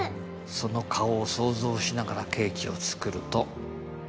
その顔を想像しながらケーキを作ると